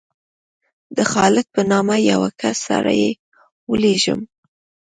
د خالد په نامه یو کس سره یې ولېږلم.